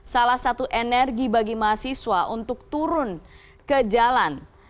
salah satu energi bagi mahasiswa untuk turun ke jalan